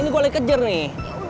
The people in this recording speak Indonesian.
ini gua lagi kejar nih